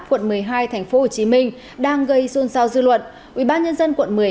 quận một mươi hai tp hcm đang gây xôn xao dư luận ubnd quận một mươi hai đã chính thức lên tiếng về vụ việc này